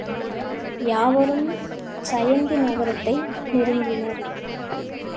யாவரும் சயந்தி நகரத்தை நெருங்கினர்.